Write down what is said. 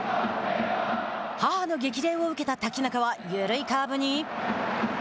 母の激励を受けた瀧中は緩いカーブに。